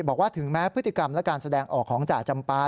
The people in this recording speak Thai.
บอกว่าถึงแม้พฤติกรรมและการแสดงออกของจ่าจำปา